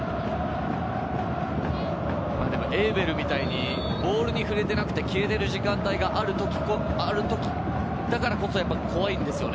エウベルみたいにボールに触れていなくて、消えている時間帯がある時だからこそ怖いんですよね。